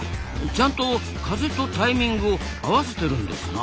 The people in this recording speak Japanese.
ちゃんと風とタイミングを合わせてるんですな。